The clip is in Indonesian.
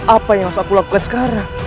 apa yang harus aku lakukan sekarang